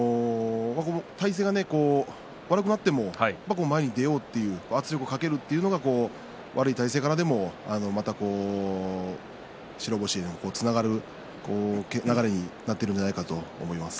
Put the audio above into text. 体勢が悪くなっても前に出ようというか圧力をかけるというのが悪い体勢からでもまた白星につながる流れになっているんじゃないかと思います。